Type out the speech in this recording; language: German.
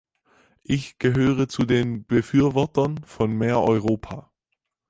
Ich gehöre zu den Befürwortern von mehr Europa.